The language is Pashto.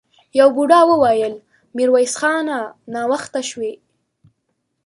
يوه بوډا وويل: ميرويس خانه! ناوخته شوې!